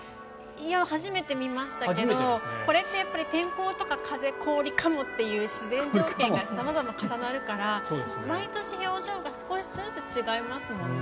初めて見ましたけどこれってやっぱり天候とか風、氷、カモという自然条件が様々重なるから毎年、表情が少しずつ違いますもんね。